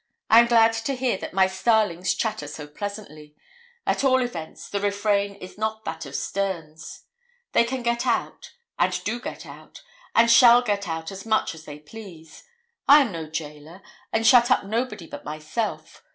I am glad to hear that my starlings chatter so pleasantly; at all events the refrain is not that of Sterne's. They can get out; and do get out; and shall get out as much as they please. I am no gaoler, and shut up nobody but myself.